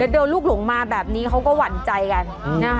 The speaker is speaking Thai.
โดนลูกหลงมาแบบนี้เขาก็หวั่นใจกันนะคะ